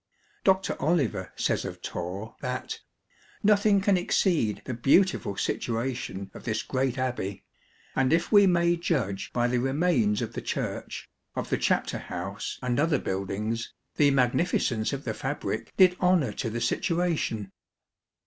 Dr. Oliver says of Torre that " nothing can ex ceed the beautiful situation of this great abbey; and if we may judge by the remains of the church, of the Chapter House and other buildings, the magnificence of the fabric did honour to the situation."